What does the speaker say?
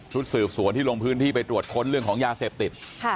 สืบสวนที่ลงพื้นที่ไปตรวจค้นเรื่องของยาเสพติด